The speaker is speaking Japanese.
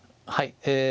はい。